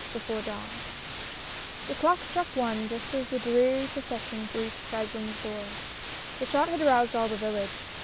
BEFORE DAWN E clock struck one just as the dreary procession ~ Jl reached Beslin's door. The shot had aroused all the village.